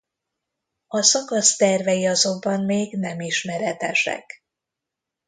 A szakasz tervei azonban még nem ismeretesek.